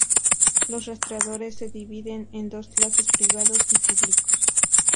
Los rastreadores se dividen en dos clases, privados y públicos.